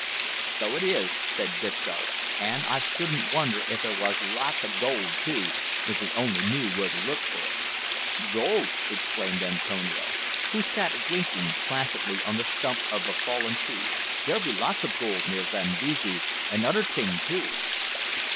"So it is," said Disco, "an' I shouldn't wonder if there wos lots of gold too, if we only knew where to look for it." "Gold!" exclaimed Antonio, who sat winking placidly on the stump of a fallen tree; "dere be lots ob gold near Zambesi an' oder ting too."